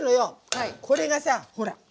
これがさほら。